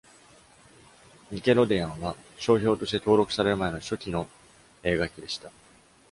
「Nickelodeon」は商標として登録される前の初期の映画機でした。